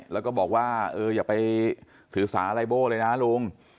แล้วก็บอกว่าเอออย่าไปถือสาไลโบ้เลยนะลุง